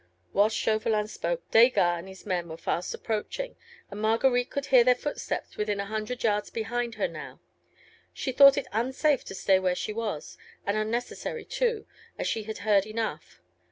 Whilst Chauvelin spoke, Desgas and his men were fast approaching, and Marguerite could hear their footsteps within a hundred yards behind her now. She thought it unsafe to stay where she was, and unnecessary too, as she had heard enough.